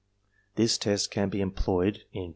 This test has been employed in pp.